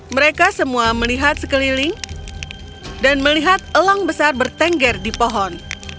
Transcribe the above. mereka semua melihat sekeliling dan melihat elang besar bertengger di pohon